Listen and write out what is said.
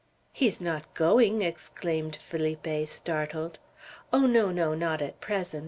"He's not going!" exclaimed Felipe, startled. "Oh, no, no; not at present.